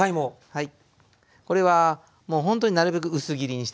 はい。